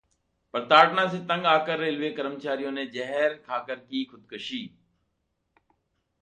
प्रताड़ना से तंग आकर रेलवे कर्मचारी ने जहर खाकर की खुदकुशी